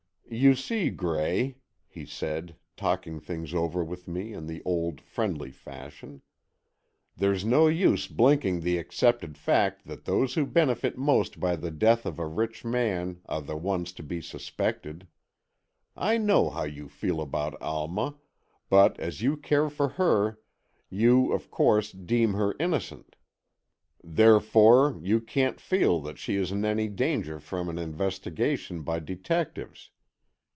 "You see, Gray," he said, talking things over with me in the old, friendly fashion, "there's no use blinking the accepted fact that those who benefit most by the death of a rich man are the ones to be suspected. I know how you feel about Alma, but as you care for her, you, of course, deem her innocent. Therefore you can't feel that she is in any danger from an investigation by detectives.